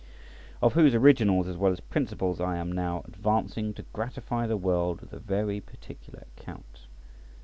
Of whose originals as well as principles I am now advancing to gratify the world with a very particular account.